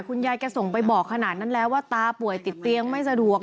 คุณยายแกส่งไปบอกขนาดนั้นแล้วว่าตาป่วยติดเตียงไม่สะดวก